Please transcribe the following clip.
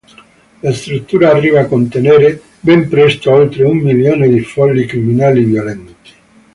La struttura arriva a contenere ben presto oltre un milione di folli criminali violenti.